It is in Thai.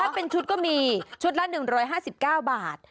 ถ้าเป็นชุดก็มีชุดละ๑๕๙บาท